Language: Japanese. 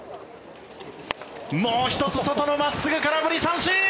もう１つ、外の真っすぐ空振り三振！